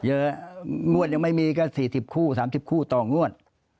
เยอะงวดยังไม่มีก็๔๐คู่๓๐คู่ต่องวด